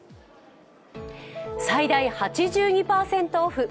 最大８２％オフ。